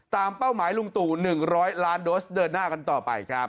เป้าหมายลุงตู่๑๐๐ล้านโดสเดินหน้ากันต่อไปครับ